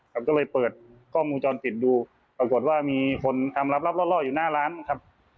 ครับก็เลยเปิดกล้องวงจรปิดดูปรากฏว่ามีคนทำรับรอดอยู่หน้าร้านครับ